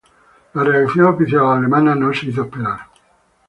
La reacción oficial alemana no se hizo esperar.